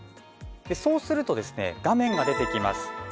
そうすると画面が出てきます。